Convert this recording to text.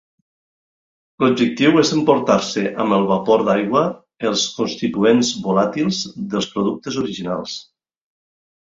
L'objectiu és emportar-se amb el vapor d'aigua els constituents volàtils dels productes originals.